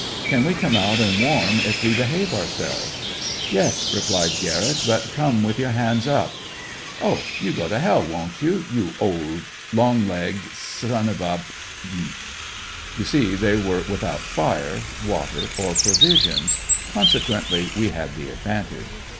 'Can we come out and warm if we behave ourselves?' 'Yes,' replied Garrett, 'but come with your hands up.' 'Oh, you go to h l, won't you? You old long legged s n of a b h!' You see they were without fire, water or provisions, consequently we had the advantage.